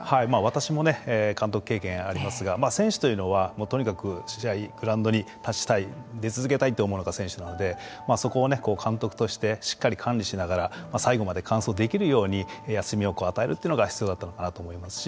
私も監督経験ありますが選手というのはとにかく試合グラウンドに立ちたい出続けたいと思うのが選手なのでそこを監督としてしっかり管理しながら最後まで完走できるように休みを与えるというのが必要だったのかなと思いますし。